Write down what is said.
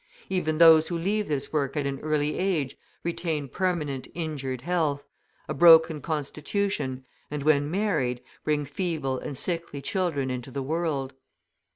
Even those who leave this work at an early age retain permanently injured health, a broken constitution; and, when married, bring feeble and sickly children into the world.